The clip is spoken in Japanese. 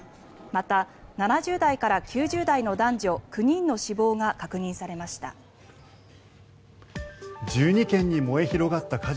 また、７０代から９０代の男女９人の死亡が確認されました。